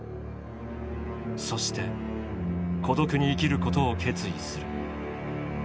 そして孤独に生きることを決意する。